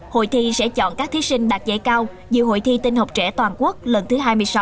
hội thi sẽ chọn các thí sinh đạt giải cao dự hội thi tinh học trẻ toàn quốc lần thứ hai mươi sáu